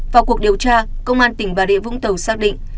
vào cuộc điều tra công an tỉnh bà rịa vũng tàu xác định